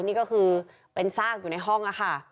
นี่ก็คือเป็นสร้างอยู่ในห้อง